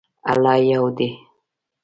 الله یو دی